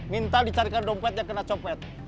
minta dicarikan dompet yang kena copet